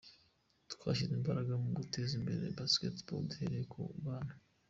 Twashyize imbaraga mu guteza imbere Basketball duhereye mu bana.